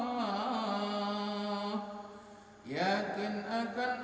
ya kan akan allah